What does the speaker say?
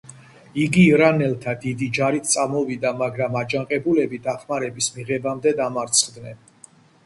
იგი ირანელთა დიდი ჯარით წამოვიდა, მაგრამ აჯანყებულები დახმარების მიღებამდე დამარცხდნენ.